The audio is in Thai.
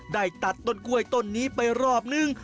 ได้ตัดต้นกล้วยต้นนี้ไปรอบนึง